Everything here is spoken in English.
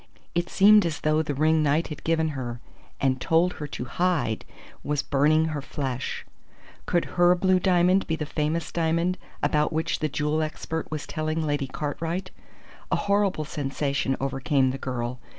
It seemed as though the ring Knight had given her and told her to hide was burning her flesh! Could her blue diamond be the famous diamond, about which the jewel expert was telling Lady Cartwright? A horrible sensation overcame the girl.